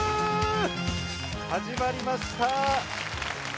始まりました。